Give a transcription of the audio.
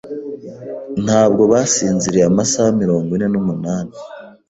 Ntabwo basinziriye amasaha mirongo ine n'umunani.